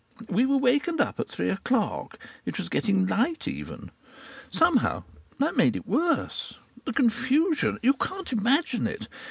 We were wakened up at three o'clock. It was getting light, even. Somehow that made it worse. The confusion you can't imagine it.